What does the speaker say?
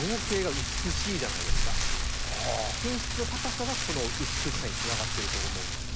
品質の高さがこの美しさにつながっていると思うんですよね。